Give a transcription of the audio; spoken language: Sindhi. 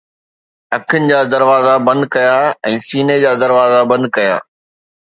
اکين جا دروازا بند ڪيا ۽ سيني جا دروازا بند ڪيا